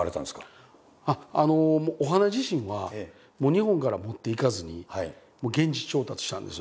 お花自身は日本から持っていかずに現地調達したんです。